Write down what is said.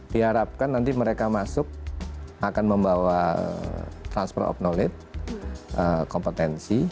diharapkan nanti mereka masuk akan membawa transfer of knowledge kompetensi